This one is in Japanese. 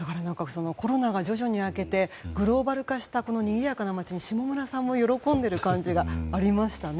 コロナが徐々に明けてグローバル化したにぎやかな街に下村さんも喜んでいる感じがありましたね。